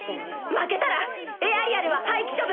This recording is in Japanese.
負けたらエアリアルは破棄処分。